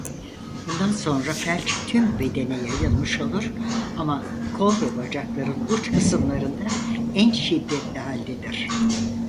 Bundan sonra felç tüm bedene yayılmış olur ama kol ve bacakların uç kısımlarında en şiddetli haldedir.